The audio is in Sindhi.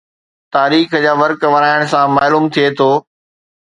تاريخ جا ورق ورائڻ سان معلوم ٿئي ٿو